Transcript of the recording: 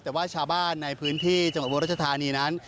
แต่ว่าชาวบ้านในพื้นที่จังหวัดอุบลรัชธานีนั้น